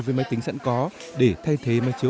với máy tính sẵn có để thay thế máy chiếu